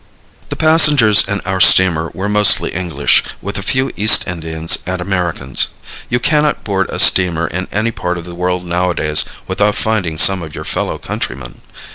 The passengers on our steamer were mostly English, with a few East Indians, and Americans. You cannot board a steamer in any part of the world nowadays without finding some of your fellow countrymen.